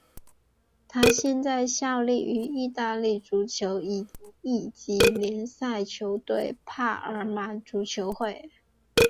他现在效力于意大利足球乙级联赛球队帕尔马足球会。